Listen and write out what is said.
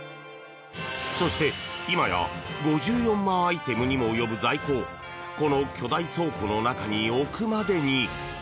そして今や５４万アイテムにも及ぶ在庫をこの巨大倉庫の中に置くまでに。